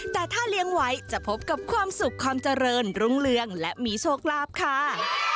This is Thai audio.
แต่ถ้าเลี้ยงไว้จะพบกับความสุขความเจริญรุ่งเรืองและมีโชคลาภค่ะ